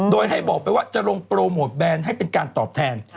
โดยให้บอกไปว่าจะลงโปรโมทแบนให้เป็นการตอบแทน